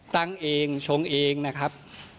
ตั้งเองชงเองนะครับ